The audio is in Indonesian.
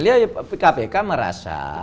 ya kpk merasa